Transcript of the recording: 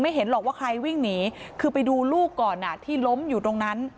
เห็นหรอกว่าใครวิ่งหนีคือไปดูลูกก่อนที่ล้มอยู่ตรงนั้น